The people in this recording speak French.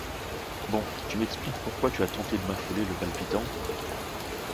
Bon, tu m’expliques pourquoi tu as tenté de m’affoler le palpitant ?